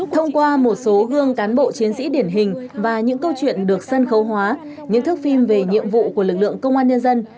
thông qua một số gương cán bộ chiến sĩ điển hình và những câu chuyện được sân khấu hóa những thước phim về nhiệm vụ của lực lượng công an nhân dân